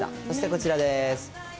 そしてこちらです。